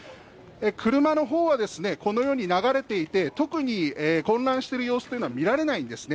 車の方はこのように流れていて特に混乱している様子というのは見られないんですね。